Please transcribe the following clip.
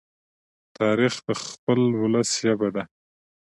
تاریخ د خپل ولس ژبه ده.